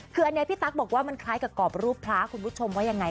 คืออันนี้พี่ตั๊กบอกว่ามันคล้ายกับกรอบรูปพระคุณผู้ชมว่ายังไง